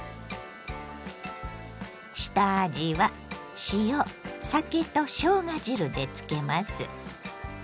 下味は塩酒としょうが汁でつけます。